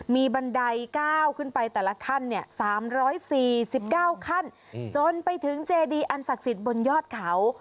มีบันไดก้าวขึ้นไปแต่ละขั้น๓๔๙ขั้นจนไปถึงเจดีอันศักดิ์สิทธิ์บนยอดเขา